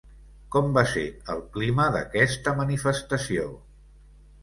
Com va ser el clima d'aquesta manifestació?